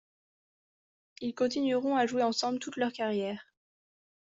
Ils continueront à jouer ensemble toute leur carrière.